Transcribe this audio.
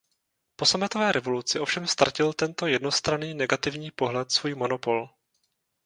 Po sametové revoluci ovšem ztratil tento jednostranný negativní pohled svůj monopol.